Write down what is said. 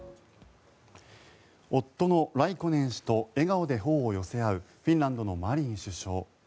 夫のライコネン氏と笑顔で頬を寄せ合うフィンランドのマリン首相。